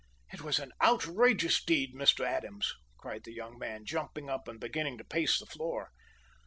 "It was an outrageous deed, Mr. Adams!" cried the young man, jumping up and beginning to pace the floor.